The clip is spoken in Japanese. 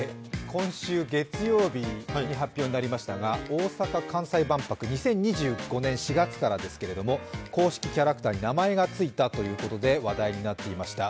今週月曜日に発表になりましたが大阪・関西万博、２０２５年４月からですけれども、公式キャラクターに名前がついたということで話題になっていました。